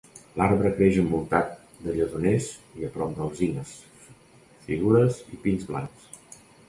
L'arbre creix envoltat de lledoners i a prop d'alzines, figures i pins blancs.